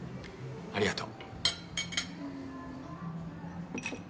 ありがとう。